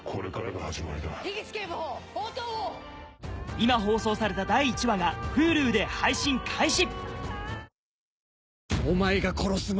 今放送された第１話がＨｕｌｕで配信開始！